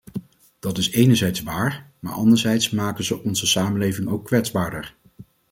Dat is enerzijds waar, maar anderzijds maken ze onze samenleving ook kwetsbaarder.